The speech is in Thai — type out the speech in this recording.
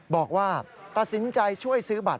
บอกว่าตัดสินใจช่วยซื้อบัตร